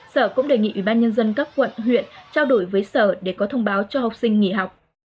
sở cũng đề nghị ủy ban nhân dân các quận huyện trao đổi với sở để có thông báo cho học sinh nghỉ học